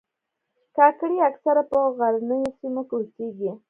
کاکړي اکثره په غرنیو سیمو کې اوسیږي.